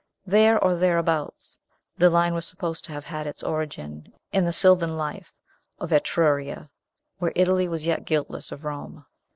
There, or thereabouts, the line was supposed to have had its origin in the sylvan life of Etruria, while Italy was yet guiltless of Rome.